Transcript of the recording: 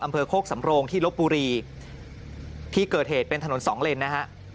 โคกสำโรงที่ลบบุรีที่เกิดเหตุเป็นถนนสองเลนนะฮะ